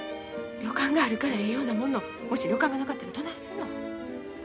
旅館があるからええようなもののもし旅館がなかったらどないするの。